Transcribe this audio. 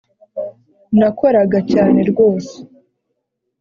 nakoraga cyane rwose,